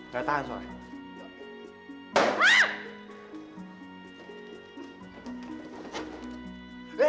gak tahan soalnya